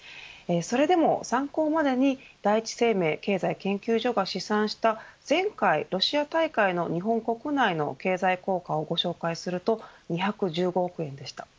それでも、参考までに第一生命経済研究所が試算した前回ロシア大会の日本国内の経済効果をご紹介すると２１５億円でした。